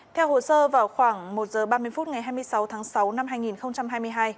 theo hồ sơ vào khoảng một giờ ba mươi phút ngày hai mươi sáu tháng sáu năm hai nghìn hai mươi hai